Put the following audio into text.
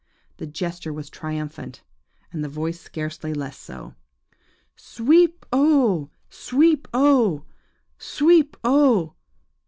The gesture was triumphant, and the voice scarcely less so,–Sweep o oh! Sweep oh! Sweep oh